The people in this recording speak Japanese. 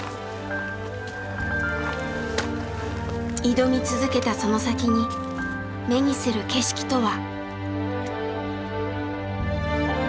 挑み続けたその先に目にする景色とは？